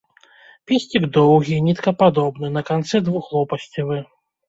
Песцік доўгі, ніткападобны, на канцы двухлопасцевы.